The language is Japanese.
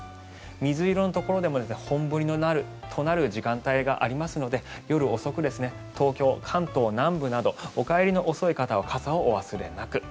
水色のところでも本降りとなる時間帯がありますので夜遅く、東京、関東南部などお帰りの遅い方は傘をお忘れなく。